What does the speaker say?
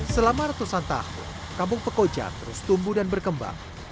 selama ratusan tahun kampung pekojan terus tumbuh dan berkembang